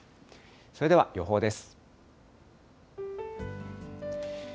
それでは予報です。